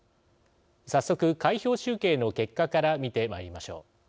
早速、開票集計の結果から見てまいりましょう。